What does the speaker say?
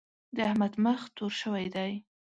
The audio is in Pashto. د احمد مخ تور شوی دی.